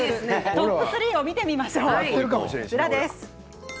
トップ３を見てみましょう。